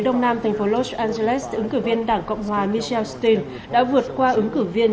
đông nam thành phố los angeles ứng cử viên đảng cộng hòa michelstin đã vượt qua ứng cử viên